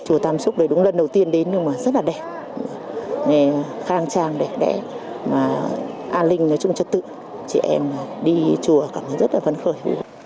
chùa tam súc đúng lần đầu tiên đến nhưng mà rất là đẹp khang trang đẹp đẹp an ninh trật tự chị em đi chùa cảm thấy rất là vấn khởi